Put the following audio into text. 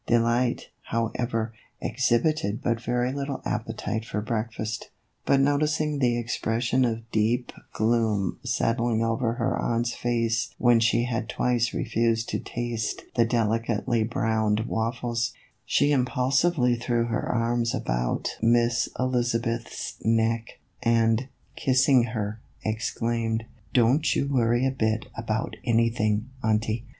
Delight, however, exhibited but very little appetite for breakfast, but noticing the expression THE EVOLUTION OF A BONNET. 12$ of deep gloom settling over her aunt's face when she had twice refused to taste the delicately browned waffles, she impulsively threw her arms about Miss Elizabeth's neck, and, kissing her, exclaimed : "Don't you worry a bit more about anything, auntie.